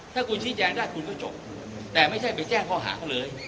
ถ้าคุณชี้แจงได้คุณก็จบแต่ไม่ใช่ไปแจ้งข้อหาเขาเลย